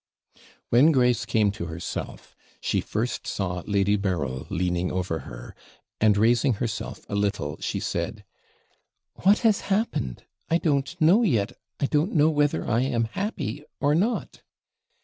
When Grace came to herself, she first saw Lady Berryl leaning over her, and, raising herself a little, she said 'What has happened? I don't know yet I don't know whether I am happy or not.'